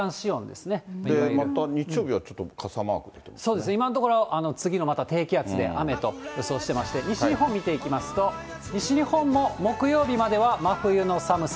また日曜日はちょっと傘マーそうですね、今のところ、次のまた低気圧で雨と予想してまして、西日本見ていきますと、西日本も木曜日までは真冬の寒さ。